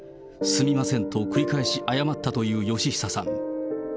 すみませんと繰り返し謝ったという嘉久さん。